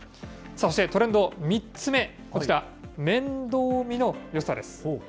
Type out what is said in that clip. そして、トレンド３つ目、こちら、面倒見のよさです。